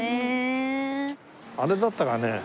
あれだったかね？